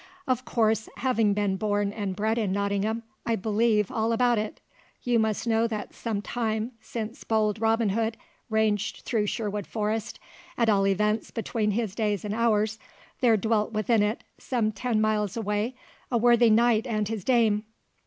"Of course, having been born and bred in Nottingham, I believe all about it. You must know that some time, since bold Robin Hood ranged through Sherwood Forest, at all events between his days and ours, there dwelt within it, some ten miles away, a worthy knight and his dame.